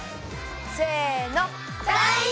せの！